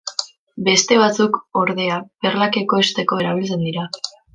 Beste batzuk, ordea, perlak ekoizteko erabiltzen dira.